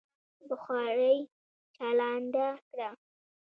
بخارۍ چالانده کړه.